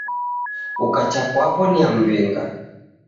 Ukacha kwapo niamw'inga.